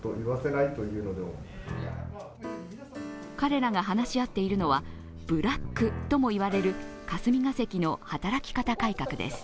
彼らが話し合っているのは、ブラックとも言われる霞が関の働き方改革です。